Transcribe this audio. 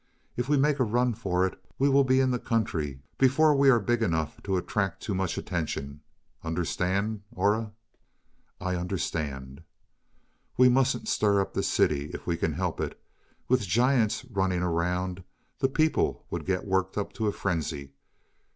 If we make a run for it we will be in the country before we are big enough to attract too much attention. Understand, Aura?" "I understand." "We mustn't stir up the city if we can help it; with giants running around, the people would get worked up to a frenzy.